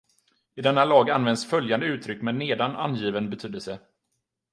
I denna lag används följande uttryck med nedan angiven betydelse.